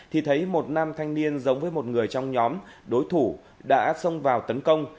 thì thấy một nam thanh niên giống với một người trong nhóm đối thủ đã xông vào tấn công